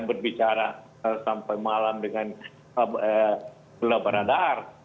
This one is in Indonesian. berbicara sampai malam dengan labradar